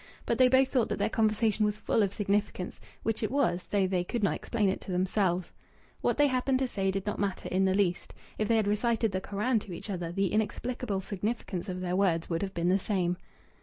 But they both thought that their conversation was full of significance; which it was, though they could not explain it to themselves. What they happened to say did not matter in the least. If they had recited the Koran to each other the inexplicable significance of their words would have been the same.